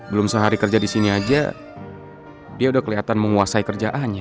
belum sehari kerja di sini aja dia udah kelihatan menguasai kerjaannya